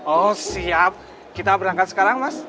oh siap kita berangkat sekarang mas